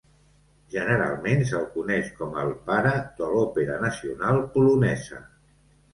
Generalment, se'l coneix com "el pare de l'òpera nacional polonesa".